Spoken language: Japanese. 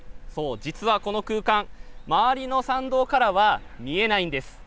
実はこの空間周りの山道からは見えないんです。